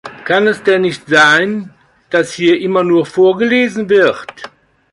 Kann es denn nicht sein, daß hier immer nur vorgelesen wird?